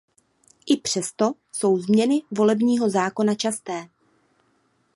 I přesto jsou změny volebního zákona časté.